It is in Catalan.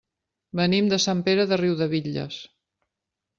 Venim de Sant Pere de Riudebitlles.